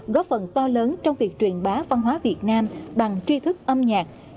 góp phần to lớn trong việc truyền bá văn hóa việt nam bằng tri thức âm nhạc